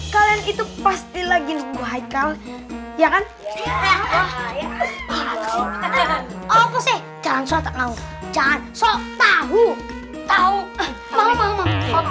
kalian itu pasti lagi gua hai kalau ya kan ya hai apa sih jangan soal soal tahu tahu mau mau